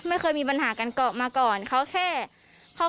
ไม่เคยมีปัญหากันมาก่อนเขาแค่มันไส้เฉยอะค่ะ